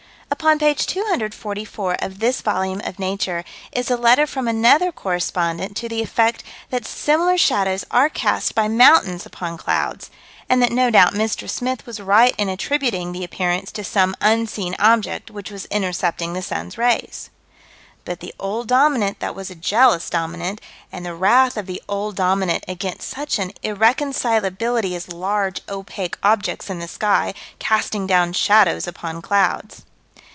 Upon page 244, of this volume of Nature, is a letter from another correspondent, to the effect that similar shadows are cast by mountains upon clouds, and that no doubt Mr. Smith was right in attributing the appearance to "some unseen object, which was intercepting the sun's rays." But the Old Dominant that was a jealous Dominant, and the wrath of the Old Dominant against such an irreconcilability as large, opaque objects in the sky, casting down shadows upon clouds.